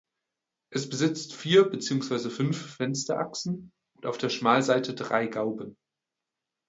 Es besitzt vier beziehungsweise fünf Fensterachsen und auf der Schmalseite drei Gauben.